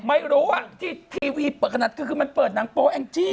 ไม่รู้อ่ะที่ทีวีเปิดขนาดก็คือมันเปิดหนังโป๊แองจี้